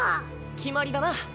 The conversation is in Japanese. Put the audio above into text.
決まりだな。